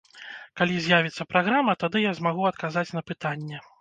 Калі з'явіцца праграма, тады я змагу адказаць на пытанне.